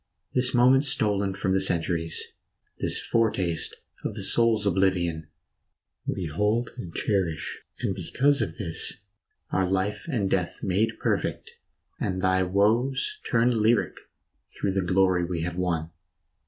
This moment stolen from the centuries, This foretaste of the soul's oblivion We hold and cherish, and because of this Are life and death made perfect, and thy woes Turn lyric through the glory we have won.